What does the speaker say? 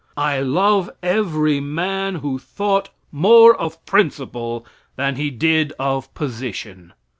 I love every man who thought more of principle than he did of position.